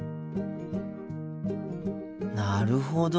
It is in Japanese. なるほど。